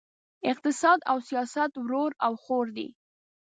اقتصاد او سیاست ورور او خور دي!